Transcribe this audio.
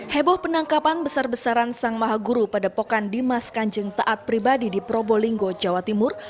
heboh penangkapan besar besaran sang maha guru pada pokan dimas kanjeng taat pribadi di probolinggo jawa timur